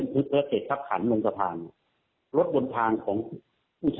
เราก็จะส่งพวกนี้จราจร